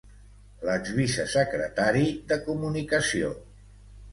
L'exvicesecretari de comunicació